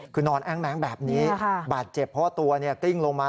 คือนอนแอ้งแม้งแบบนี้บาดเจ็บเพราะว่าตัวกลิ้งลงมา